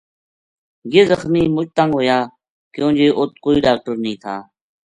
یہ زخمی مُچ تنگ ہویا کیوں جے اُت کوئی ڈاکٹر نیہہ تھا